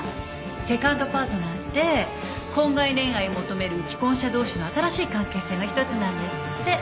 セカンドパートナーって婚外恋愛を求める既婚者同士の新しい関係性の一つなんですって。